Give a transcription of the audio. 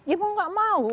ibu gak mau